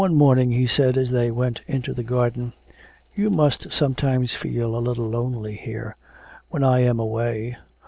One morning he said, as they went into the garden, 'You must sometimes feel a little lonely here... when I am away...